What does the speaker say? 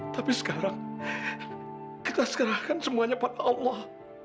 tapi sekarang kita serahkan semuanya pada allah